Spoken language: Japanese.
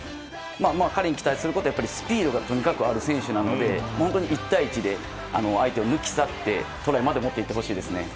彼に期待するのはスピードがとにかくあるので１対１で相手を抜き去ってトライまでもっていってほしいですね。